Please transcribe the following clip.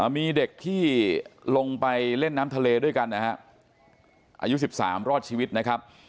มีเด็กที่ลงไปเล่นน้ำทะเลด้วยกันนะฮะอายุ๑๓รอดชีวิตนะครับ